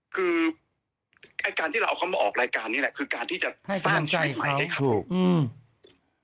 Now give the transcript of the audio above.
คือไอ้การที่เราเอาเขามาออกรายการนี้แหละคือการที่จะสร้างชื่อใหม่ให้เขาอืม